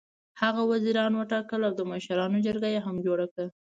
هغه وزیران وټاکل او د مشرانو جرګه یې هم جوړه کړه.